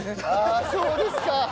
あっそうですか。